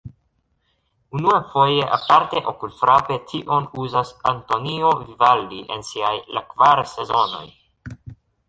Unuafoje aparte okulfrape tion uzas Antonio Vivaldi en siaj La kvar sezonoj.